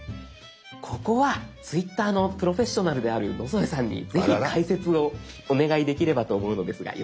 ここはＴｗｉｔｔｅｒのプロフェッショナルである野添さんにぜひ解説をお願いできればと思うのですがよろしいでしょうか？